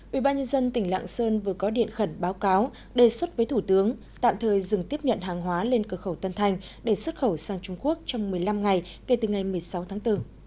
ubnd tỉnh lạng sơn vừa có điện khẩn báo cáo đề xuất với thủ tướng tạm thời dừng tiếp nhận hàng hóa lên cửa khẩu tân thanh để xuất khẩu sang trung quốc trong một mươi năm ngày kể từ ngày một mươi sáu tháng bốn